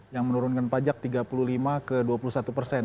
yang menurunkan pajak tiga puluh lima ke dua puluh satu persen